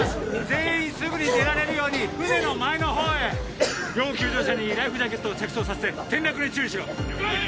全員すぐに出られるように船の前の方へ要救助者にライフジャケットを着装させて転落に注意しろ了解